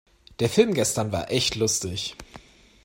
Der Film gestern war echt lustig.